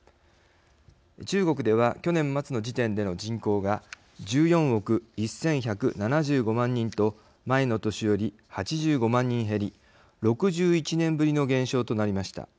中国では去年末の時点での人口が１４億１１７５万人と前の年より８５万人減り６１年ぶりの減少となりました。